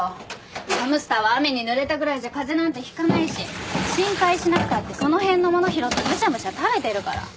ハムスターは雨にぬれたぐらいじゃ風邪なんてひかないし心配しなくたってその辺のもの拾ってむしゃむしゃ食べてるから。